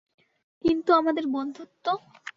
কিন্তু আমাদের বন্ধুত্ব!